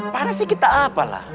panasnya kita apalah